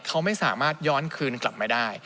เขาไม่สามารถย้อนคืนกลับมาได้